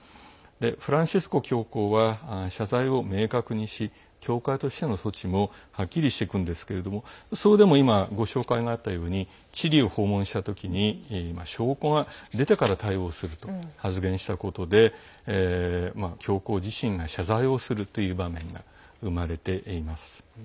フランシスコ教皇は謝罪を明確にし教会としての措置もはっきりしていくんですけどそれでも今ご紹介があったようにチリを訪問した時に、証拠が出てから対応すると発言したことで教皇自身が謝罪をするという場面が生まれています。